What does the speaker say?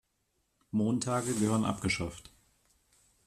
Montage gehören abgeschafft.